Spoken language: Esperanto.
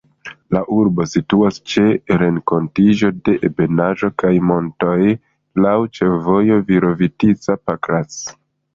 La urbo situas ĉe renkontiĝo de ebenaĵo kaj montoj, laŭ ĉefvojo Virovitica-Pakrac.